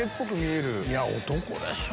いや男でしょ。